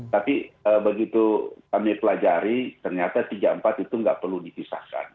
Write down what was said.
tapi begitu kami pelajari ternyata tiga empat itu nggak perlu dipisahkan